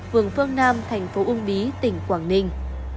vườn phương nam thành phố úng bí tỉnh quảng ninh